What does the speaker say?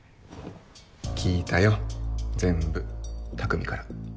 聞いたよ全部匠から。